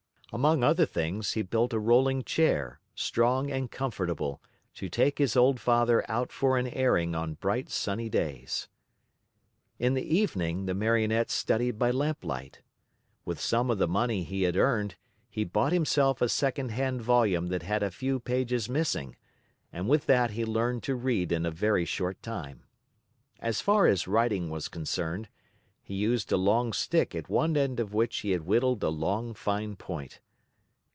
Among other things, he built a rolling chair, strong and comfortable, to take his old father out for an airing on bright, sunny days. In the evening the Marionette studied by lamplight. With some of the money he had earned, he bought himself a secondhand volume that had a few pages missing, and with that he learned to read in a very short time. As far as writing was concerned, he used a long stick at one end of which he had whittled a long, fine point.